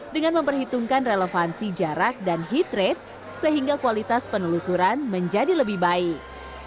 dengan memperhitungkan relevansi jarak dan heat rate sehingga kualitas penelusuran menjadi lebih baik